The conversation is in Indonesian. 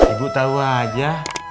ibu tau aja